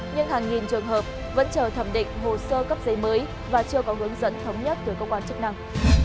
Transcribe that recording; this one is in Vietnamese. nhưng hàng nghìn trường hợp vẫn chờ thẩm định hồ sơ cấp giấy mới và chưa có hướng dẫn thống nhất từ cơ quan chức năng